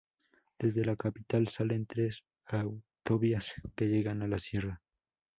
Desde la capital salen tres autovías que llegan a la sierra.